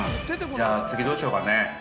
◆じゃあ、次どうしようかね。